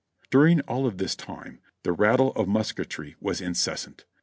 During all of this time the rattle of musketry was incessant.